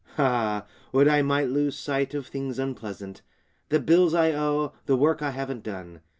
Ah, would I might lose sight of things unpleasant: The bills I owe; the work I haven't done.